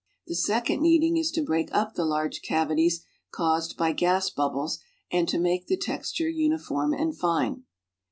The second kneading is to break up the large cavities caused by gas bubbles, and to make the texture uniform and fine.